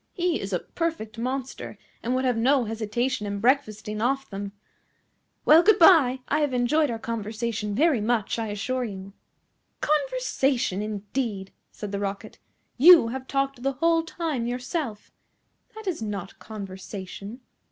He is a perfect monster, and would have no hesitation in breakfasting off them. Well, good bye: I have enjoyed our conversation very much, I assure you." "Conversation, indeed!" said the Rocket. "You have talked the whole time yourself. That is not conversation."